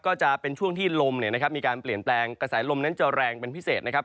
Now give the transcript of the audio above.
ก็จะเป็นช่วงที่ลมเนี่ยนะครับมีการเปลี่ยนแปลงกระแสลมนั้นจะแรงเป็นพิเศษนะครับ